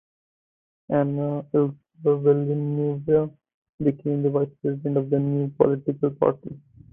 Ana Elisa Villanueva became the vice president of the new political party.